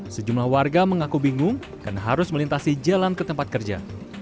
sejumlah warga mengaku bingung karena harus melintasi jalan ke tempat kerja